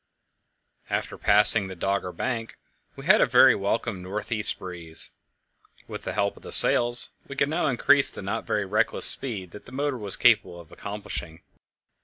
After passing the Dogger Bank we had a very welcome north east breeze; with the help of the sails we could now increase the not very reckless speed that the motor was capable of accomplishing.